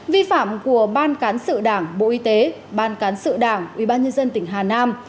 vi phạm của ban cán sự đảng bộ y tế ban cán sự đảng ubnd tỉnh hà nam